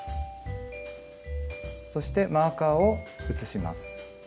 そしてマーカーを移します。